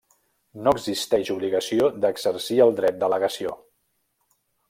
No existeix obligació d'exercir el dret de legació.